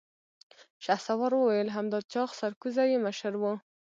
شهسوار وويل: همدا چاغ سرکوزی يې مشر و.